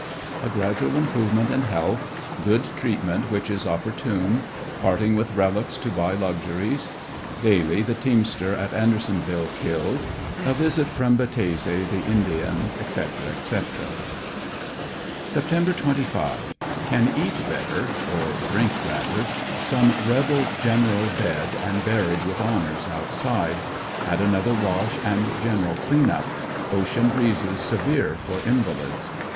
A GRADUAL IMPROVEMENT IN HEALTH — GOOD TREATMENT WHICH IS OPPORTUNE — PARTING WITH RELICS TO BUY LUXURIES — DALY, THE TEAMSTER AT ANDERSONVILLE, KILLED — A VISIT FROM BAT TESE THE INDIAN, ETC., ETC. Sept. 25— Can eat better— or drink rather; some rebel general, dead and buried with honors outside, xiad another wash and gen eral clean up; ocean breezes severe for invalids.